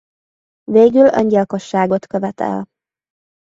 Végül öngyilkosságot követ el.